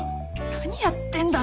何やってんだ